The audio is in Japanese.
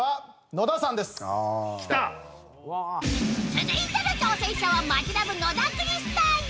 続いての挑戦者はマヂラブ野田クリスタル